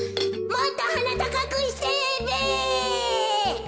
もっとはなたかくしてべ！